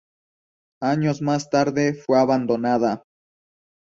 Años más tarde fue abandonada.